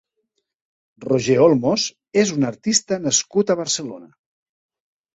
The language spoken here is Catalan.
Roger Olmos és un artista nascut a Barcelona.